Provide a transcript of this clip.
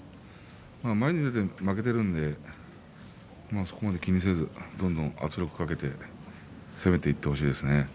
前に出て負けているのでそこまで気にせずにどんどん圧力をかけて攻めていってほしいですね。